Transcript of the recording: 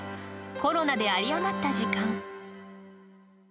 コロナであり余った時間。